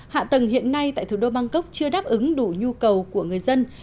hạ tầng hiện nay tại thủ đô bangkok chưa đáp ứng đủ nhu cầu của người dân